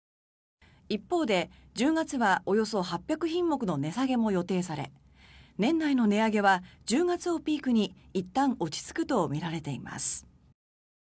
一方で、１０月はおよそ８００品目の値下げも予定され年内の値上げは１０月をピークにいったん落ち着くとみられています。